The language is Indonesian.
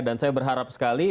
dan saya berharap sekali